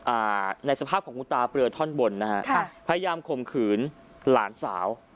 อ่าในสภาพของคุณตาเปลือท่อนบนนะฮะค่ะพยายามข่มขืนหลานสาว